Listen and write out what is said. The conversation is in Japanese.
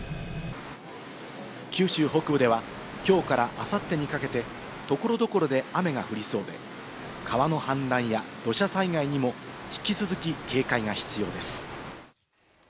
九州北部では、きょうからあさってにかけて所々で雨が降りそうで、川の氾濫や土砂災害にも引き続き警戒が必要です。